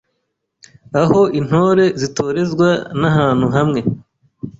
Aho Intore zitorezwa nahantu hamwe